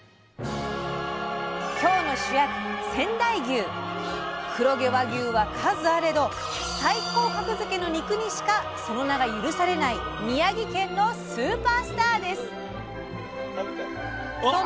今日の主役黒毛和牛は数あれど最高格付けの肉にしかその名が許されない宮城県のスーパースターです。